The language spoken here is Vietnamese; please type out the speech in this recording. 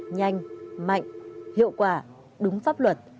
nhanh mạnh hiệu quả đúng pháp luật